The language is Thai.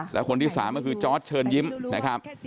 และคนที่๓ก็คือจอร์ดเชิญยิ้มนะครับ